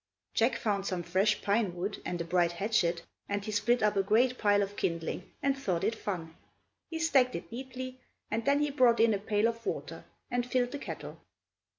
Jack found some fresh pine wood and a bright hatchet, and he split up a great pile of kindling and thought it fun. He stacked it neatly, and then he brought in a pail of water and filled the kettle.